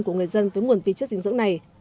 của người dân với nguồn vi chất dinh dưỡng này